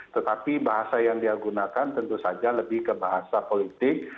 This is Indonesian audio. tetapi bahasa yang dia gunakan tentu saja lebih ke bahasa politik